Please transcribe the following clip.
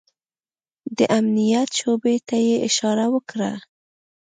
د امنيت شعبې ته يې اشاره وکړه.